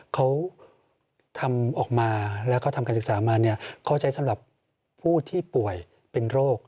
เขาทำออกมาแล้วเขาทำการศึกษามาเนี่ยเข้าใจสำหรับผู้ที่ป่วยเป็นโรค